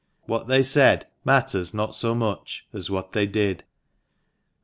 What they said matters not so much as what they did.